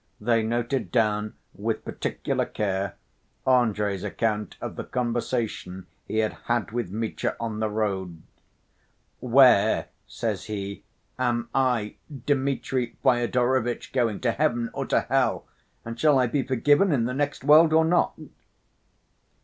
They noted down, with particular care, Andrey's account of the conversation he had had with Mitya on the road: " 'Where,' says he, 'am I, Dmitri Fyodorovitch, going, to heaven or to hell, and shall I be forgiven in the next world or not?